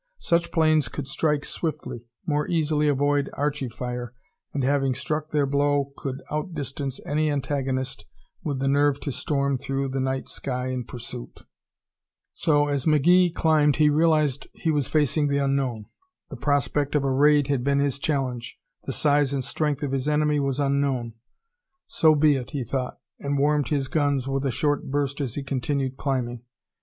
Such planes could strike swiftly, more easily avoid Archie fire, and having struck their blow could outdistance any antagonist with the nerve to storm through the night sky in pursuit. So, as McGee climbed he realized that he was facing the unknown. The prospect of a raid had been his challenge; the size and strength of his enemy was unknown. So be it, he thought, and warmed his guns with a short burst as he continued climbing.